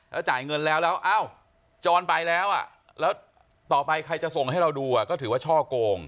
แล้วจ่ายเงินแล้วจรไปแล้วต่อไปใครจะส่งให้เราดูก็ถือว่าช่อกง